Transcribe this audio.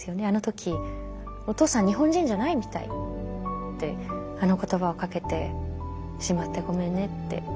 あの時「お父さん日本人じゃないみたい」ってあの言葉をかけてしまってごめんねって。